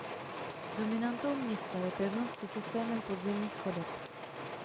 Dominantou města je pevnost se systémem podzemních chodeb.